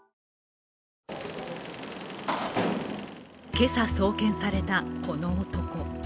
今朝、送検されたこの男。